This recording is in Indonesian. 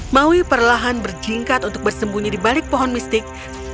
maui perlahan berjingkat untuk bersembunyi di balik pohon mistik